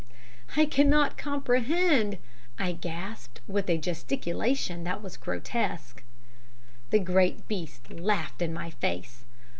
"'I cannot comprehend,' I gasped with a gesticulation that was grotesque. "The great beast laughed in my face.